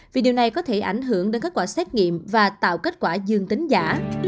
vì điều này có thể ảnh hưởng đến kết quả xét nghiệm và tạo kết quả dương tính giả